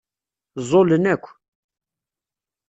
Ẓẓulen akk.